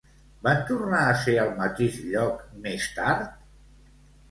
Van tornar a ser al mateix lloc més tard?